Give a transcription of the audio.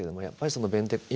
やっぱりその弁天